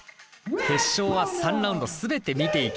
決勝は３ラウンド全て見ていきます。